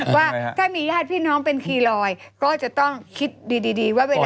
ว่าถ้ามีญาติพี่น้องเป็นคีย์ลอยก็จะต้องคิดดีว่าเวลา